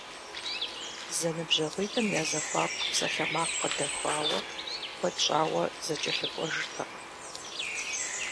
Зэныбжьэгъуитӏым я зэхуаку псалъэмакъ къыдэхуауэ, куэд щӏауэ зэкӏэлъыкӏуэжыртэкъым.